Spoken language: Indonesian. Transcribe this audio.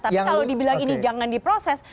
tapi kalau dibilang ini jangan diproses